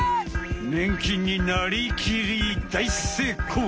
ねん菌になりきり大成功！